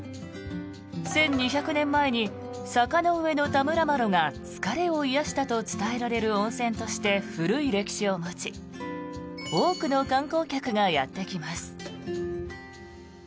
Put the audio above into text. １２００年前に坂上田村麻呂が疲れを癒やしたと伝えられる温泉として古い歴史を持ち多くの観光客がやってきます。